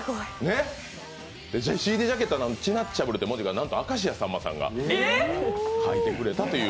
ＣＤジャケットの文字はなんと明石家さんまさんが書いてくれたという。